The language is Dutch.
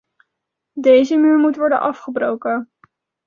Deze muur moet worden afgebroken.